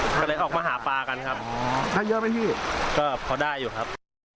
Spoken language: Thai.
ก็เลยออกมาหาปลากันครับถ้าเยอะไหมพี่ก็พอได้อยู่ครับ